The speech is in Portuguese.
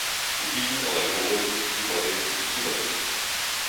O vinho alegra o olho, limpa o dente e cura o ventre.